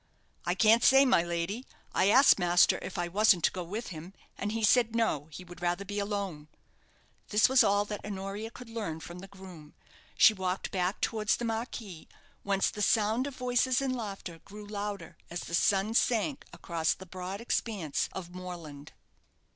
"I can't say, my lady. I asked master if I wasn't to go with him, and he said, 'No, he would rather be alone.'" This was all that Honoria could learn from the groom. She walked back towards the marquee, whence the sound of voices and laughter grew louder as the sun sank across the broad expanse of moorland.